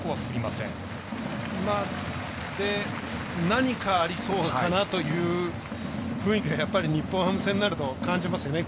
何かありそうかなという雰囲気が日本ハム戦になると感じますね。